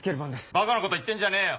ばかなこと言ってんじゃねえよ。